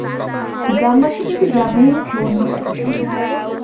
গ্রামবাসী কিন্তু যামিনীর মুখে অন্য কথা শোনে।